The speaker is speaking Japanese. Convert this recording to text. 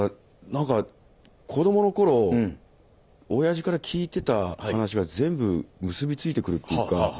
なんか子どもの頃おやじから聞いてた話が全部結び付いてくるっていうか。